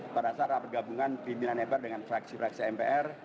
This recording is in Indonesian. pada saat pergabungan pimpinan mpr dengan fraksi fraksi mpr